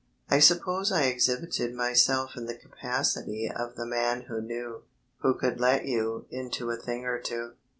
I suppose I exhibited myself in the capacity of the man who knew who could let you into a thing or two.